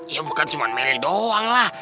ya bukan cuma mile doang lah